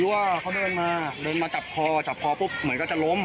ดูเหาะเขาเดินมาจัดคอก็ล้อม